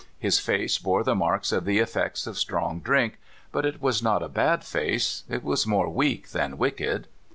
His face bore the marks of the effects of strong drink, but it w^as not a bad face ; it was more weak than wicked.